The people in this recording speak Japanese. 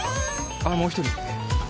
あっもう１人。